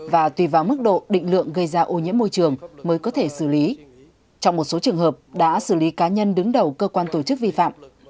và tùy vào mức độ định lượng gây ra ô nhiễm môi trường mới có thể xử lý trong một số trường hợp đã xử lý cá nhân đứng đầu cơ quan tổ chức vi phạm